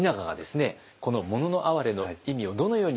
この「もののあはれ」の意味をどのように読み解いていったのか。